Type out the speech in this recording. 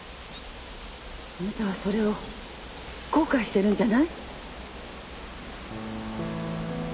あなたはそれを後悔してるんじゃない？